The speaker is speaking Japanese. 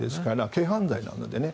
軽犯罪なのでね。